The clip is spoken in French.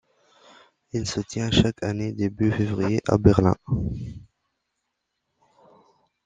Il se tient chaque année début février, à Berlin.